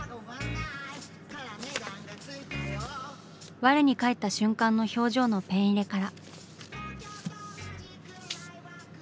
我に返った瞬間の表情のペン入れから。